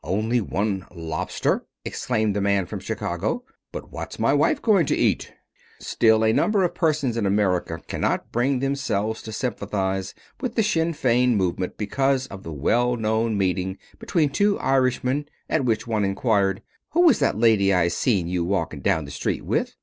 "Only one lobster!" exclaimed the man from Chicago, "but what's my wife going to eat!" Still again a number of persons in America cannot bring themselves to sympathize with the Sinn Fein movement because of the well known meeting between two Irishmen at which one inquired, "Who was that lady I seen you walking down the street with?"